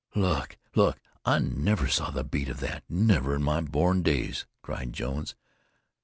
"Look! Look! I never saw the beat of that never in my born days!" cried Jones.